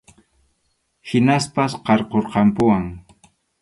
Hinaspas qarqurqampuwan.